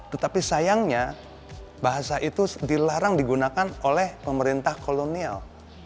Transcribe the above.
tetapi sayangnya bahasa itu dilarang digunakan oleh pemerintah kolonial